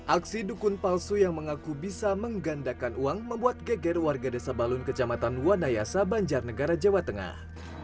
aksi dukun palsu yang mengaku bisa menggandakan uang membuat geger warga desa balun kecamatan wanayasa banjarnegara jawa tengah